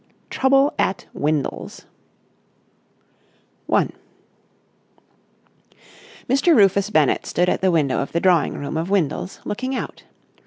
TROUBLE AT WINDLES § 1 Mr. Rufus Bennett stood at the window of the drawing room of Windles, looking out.